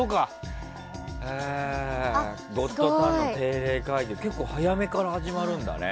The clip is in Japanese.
「ゴッドタン」の定例会議結構早めから始まるんだね。